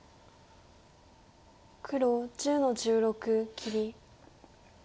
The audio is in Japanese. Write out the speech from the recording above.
黒１０の十六切り。